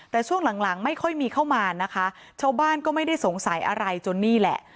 แต่ช่วงหลังหลังไม่ค่อยมีเข้ามานะคะชาวบ้านก็ไม่ได้สงสัยอะไรจนนี่แหละ